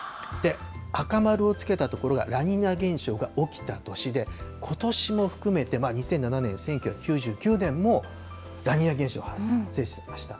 赤丸をつけた所が、ラニーニャ現象が起きた年で、ことしも含めて２００７年、１９９９年もラニーニャ現象が発生していました。